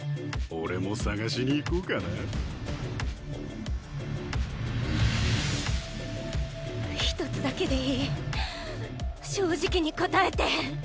俺も捜しに行こうかな１つだけでいい正直に答えて。